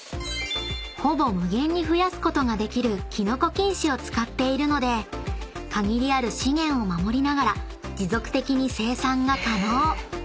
［ほぼ無限に増やすことができるキノコ菌糸を使っているので限りある資源を守りながら持続的に生産が可能］